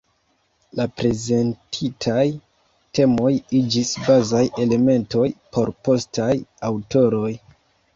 La prezentitaj temoj iĝis bazaj elementoj por postaj aŭtoroj.